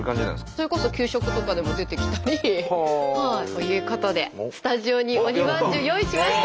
それこそ給食とかでも出てきたり。ということでスタジオに鬼まんじゅう用意しました。